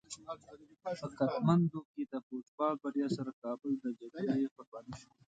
په کتمندو کې د فوټبال بریا سره کابل د جګړې قرباني شو.